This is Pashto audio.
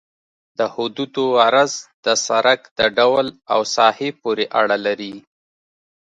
د حدودو عرض د سرک د ډول او ساحې پورې اړه لري